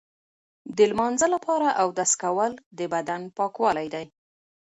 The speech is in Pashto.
د لمانځه لپاره اودس کول د بدن پاکوالی دی.